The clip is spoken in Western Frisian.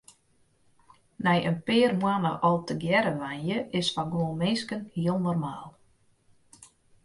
Nei in pear moannen al tegearre wenje is foar guon minsken hiel normaal.